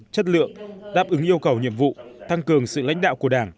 chất lượng đáp ứng yêu cầu nhiệm vụ tăng cường sự lãnh đạo của đảng